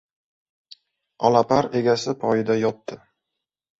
Olapar egasi poyida yotdi.